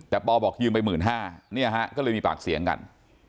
แต่ปอบอกยืมไป๑๕๐๐เนี่ยฮะก็เลยมีปากเสียงกัน